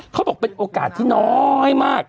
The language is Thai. เขาบอกเป็นโอกาสที่น้อยมาก